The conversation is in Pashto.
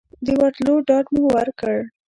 د ورتلو ډاډ مو ورکړ.